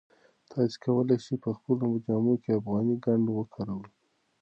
تاسي کولای شئ په خپلو جامو کې افغاني ګنډ وکاروئ.